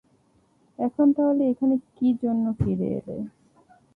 এখন তাহলে এখানে কীজন্য ফিরে এলে?